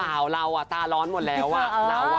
เปล่าเราอ่ะตาร้อนหมดแล้วอ่ะเราอ่ะ